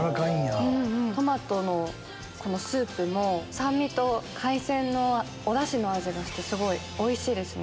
トマトのスープも酸味と海鮮のおダシの味がしてすごいおいしいですね。